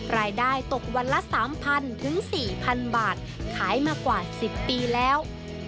รายได้ตกวันละ๓๐๐ถึง๔๐๐บาทขายมากว่า๑๐ปีแล้ว